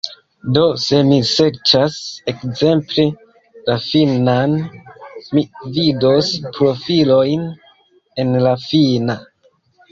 Do, se mi serĉas ekzemple la finnan, mi vidos profilojn en la finna.